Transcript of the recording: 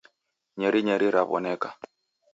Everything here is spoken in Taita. Nyeri nyeri raw'oneka.